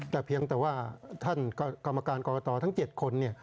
แต่เพียงแต่ว่าท่านกรรมการกรกตทั้ง๗คน